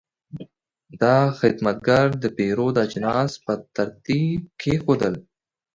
دا خدمتګر د پیرود اجناس په ترتیب کېښودل.